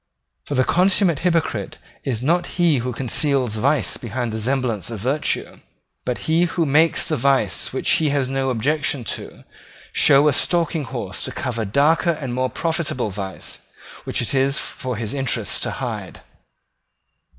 For the consummate hypocrite is not he who conceals vice behind the semblance of virtue, but he who makes the vice which he has no objection to show a stalking horse to cover darker and more profitable vice which it is for his interest to hide.